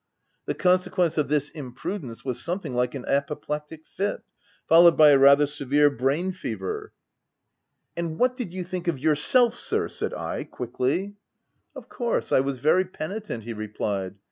The consequence of this imprudence was some thing like an apoplectic fit, followed by a rather severe brain fever —" 48 THE TENANT " And what did you think of yourself, sir ?" said I, quickly. " Of course, I was very penitent/' he replied.